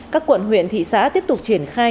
các quận huyện thị xã tiếp tục triển khai